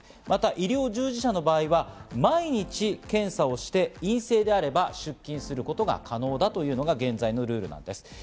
また医療従事者の場合は、毎日検査をして陰性であれば出勤することが可能だというのが現在のルールです。